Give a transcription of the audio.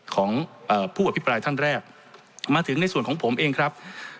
ของผู้อภิปรายท่านแรกมาถึงในส่วนของผมเองครับ